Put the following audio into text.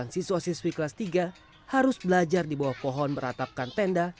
delapan siswa siswi kelas tiga harus belajar di bawah pohon beratapkan tenda